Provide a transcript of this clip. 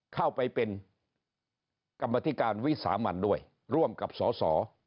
เข้าไปเป็นกรรมธิการวิสามันด้วยร่วมกับสส